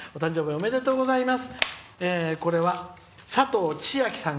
おめでとうございます。